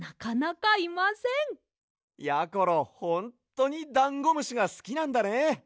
やころほんっとにダンゴムシがすきなんだね。